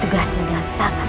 jika aku masih menggunakannya